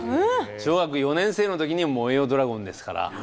小学４年生の時に「燃えよドラゴン」ですから。